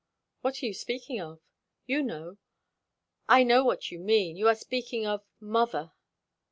"What are you speaking of?" "You know. I know what you mean; you are speaking of mother!"